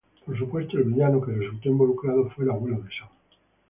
Por supuesto, el villano que resultó involucrado fue el abuelo de Sam.